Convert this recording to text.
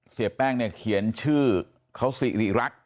เสียแป้งเนี่ยเขียนชื่อเขาสิริรักษ